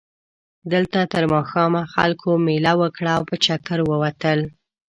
دلته تر ماښامه خلکو مېله وکړه او په چکر ووتل.